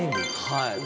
はい。